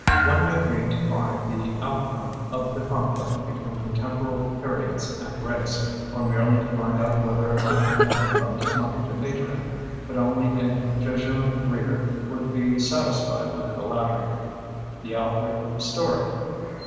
One may read to find the outcome of the conflict between temporal periods and race, or merely to find out whether Uncle Henry left his money to Adrian ; but only a jejune reader would be sat isfied with the latter, the outward, "story".